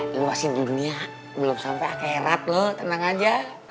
lu masih di dunia belum sampe akhirat lo tenang aja